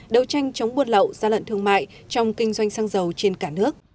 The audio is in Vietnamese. đấu tranh chống buôn lậu gia lận thương mại trong kinh doanh xăng dầu trên cả nước